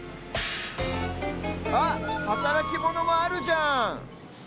あっはたらきモノもあるじゃん！